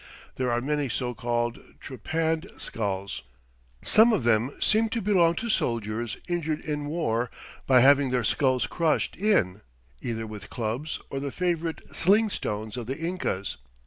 There are many so called "trepanned" skulls. Some of them seem to belong to soldiers injured in war by having their skulls crushed in, either with clubs or the favorite sling stones of the Incas.